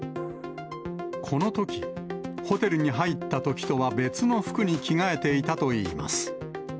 このとき、ホテルに入ったときとは別の服に着替えていたといいます。